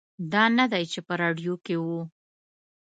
دا نه دی چې په راډیو کې و.